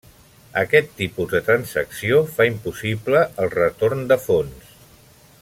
Aquest tipus de transacció fa impossible el retorn de fons.